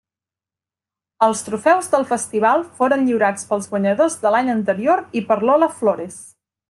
Els trofeus del festival foren lliurats pels guanyadors de l'any anterior i per Lola Flores.